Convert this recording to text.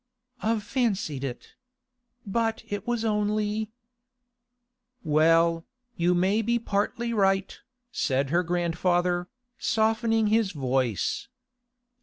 'I've fancied it. But it was only—' 'Well, you may be partly right,' said her grandfather, softening his voice.